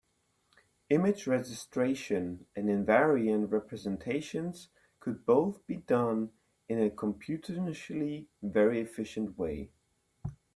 Image registration and invariant representations could both be done in a computationally very efficient way.